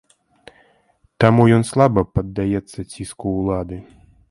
Таму ён слаба паддаецца ціску ўлады.